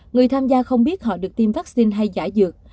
người tham gia không biết họ được tiêm vaccine hay giả dược